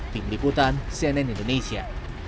tim liputan cnn indonesia